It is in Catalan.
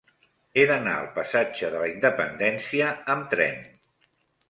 He d'anar al passatge de la Independència amb tren.